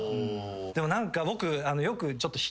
でも何か僕よく。